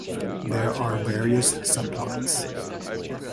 There are various subplots.